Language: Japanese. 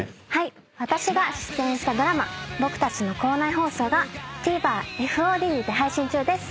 私が出演したドラマ『僕たちの校内放送』がＴＶｅｒＦＯＤにて配信中です。